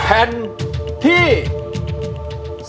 ร้องได้ให้ร้อง